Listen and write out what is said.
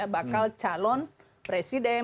bakal calon presiden